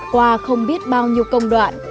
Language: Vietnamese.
qua không biết bao nhiêu công đoạn